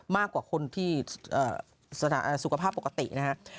มากกว่าคนที่สถานสุขภาพปกตินะครับ